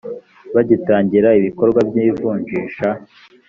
bagitangira ibikorwa by ivunjisha